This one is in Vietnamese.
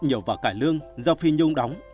nhiều vợ cải lương do phi nhung đóng